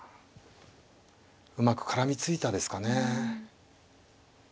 うまく絡みついたですかね。